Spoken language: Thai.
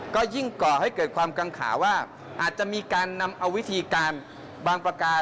ก็ยิ่งก่อให้เกิดความกังขาว่าอาจจะมีการนำเอาวิธีการบางประการ